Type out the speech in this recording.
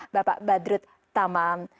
bapak badrut taman